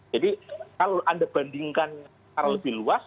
kalau anda bandingkan secara lebih luas